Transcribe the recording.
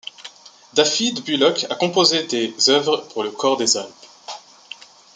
Dafydd Bullock a composé des œuvres pour le cor des Alpes.